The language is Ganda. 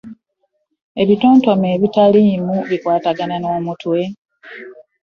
Ebitontome ebikalimu bikwatagana n’omutwe?